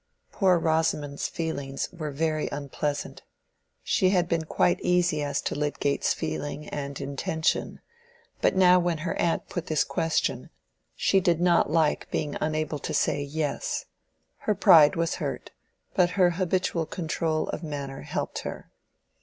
Poor Rosamond's feelings were very unpleasant. She had been quite easy as to Lydgate's feeling and intention, but now when her aunt put this question she did not like being unable to say Yes. Her pride was hurt, but her habitual control of manner helped her.